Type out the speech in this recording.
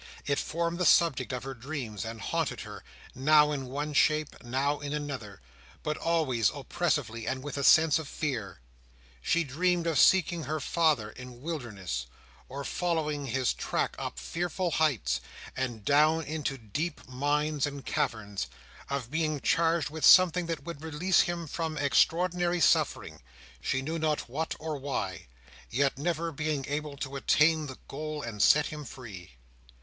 It formed the subject of her dreams, and haunted her; now in one shape, now in another; but always oppressively; and with a sense of fear. She dreamed of seeking her father in wildernesses, of following his track up fearful heights, and down into deep mines and caverns; of being charged with something that would release him from extraordinary suffering—she knew not what, or why—yet never being able to attain the goal and set him free.